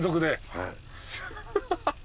はい。